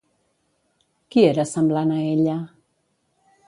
Qui era semblant a ella?